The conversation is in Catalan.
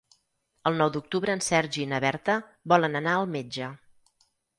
El nou d'octubre en Sergi i na Berta volen anar al metge.